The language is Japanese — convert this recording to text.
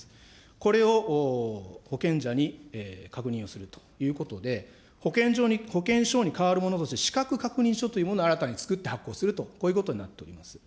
これを保険者に確認をするということで、保険証に代わるものとして、資格確認書というものを新たに作って発行すると、こういうことになっております。